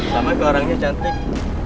sama ke orangnya cantik